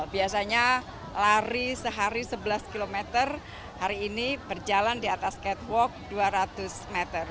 biasanya lari sehari sebelas km hari ini berjalan di atas catwalk dua ratus meter